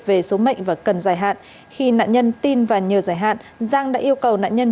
về số mệnh và cần giải hạn khi nạn nhân tin và nhờ giải hạn giang đã yêu cầu nạn nhân